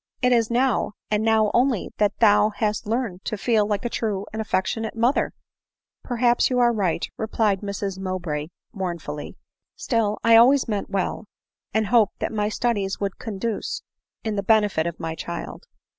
It is now, and now only that thou hast learned to feel like a true and affectionate mother !" "Perhaps you are right," replied Mrs Mowbray mourn fully, " still, I always meant well ; and hoped that my studies would conduce to the benefit of my child."